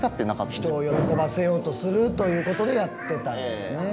人を喜ばせようとするという事でやってたんですね。